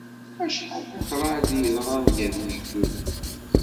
Acḥal n ṭṭrad i d-iḍran gar yigduden!